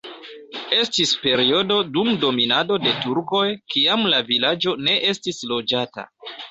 Estis periodo dum dominado de turkoj, kiam la vilaĝo ne estis loĝata.